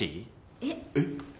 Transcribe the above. えっ？えっ？